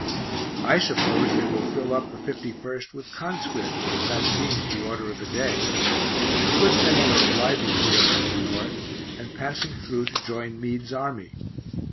I suppose they will fill up the 51st with conscripts, as that seems the order of the day a good many are arriving here, from the North, and passing through to join Meade's army.